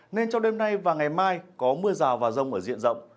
nên trong đêm nay và ngày mai có mưa rào và rông ở diện rộng